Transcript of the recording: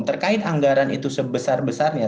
terkait anggaran itu sebesar besarnya